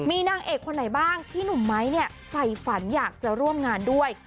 มีนางเอกคนไหนบ้างที่หนุ่มไม้เนี่ยฝ่ายฝันอยากจะร่วมงานด้วย